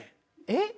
えっ？